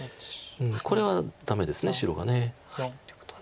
これはダメです白が。ということで。